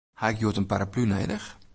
Ha ik hjoed in paraplu nedich?